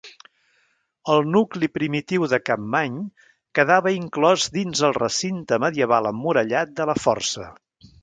El nucli primitiu de Capmany quedava inclòs dins el recinte medieval emmurallat de la Força.